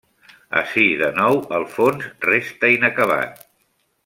Ací, de nou, el fons restà inacabat.